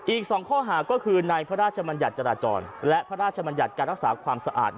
อีก๒ข้อหาก็คือในพระราชมัญญัติจราจรและพระราชมัญญัติการรักษาความสะอาด